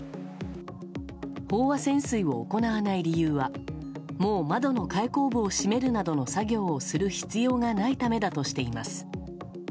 飽和潜水を行わない理由はもう窓の開口部を閉めるなどの作業をする必要がないためだとしています。